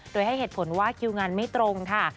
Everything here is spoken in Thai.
โดยให้เหตุผลว่าคิวงานไม่ตรงค่ะ